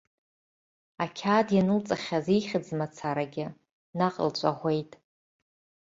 Ақьаад ианылҵахьаз ихьӡ мацарагьы наҟ илҵәаӷәеит.